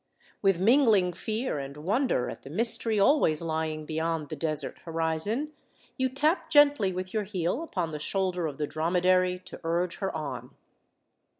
With mingling fear and wonder at the mystery always lying beyond the desert horizon, you tap gently with your heel upon the shoulder of the dromedary to urge her on.